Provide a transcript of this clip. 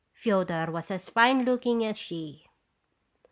F6odor was as fine looking as she."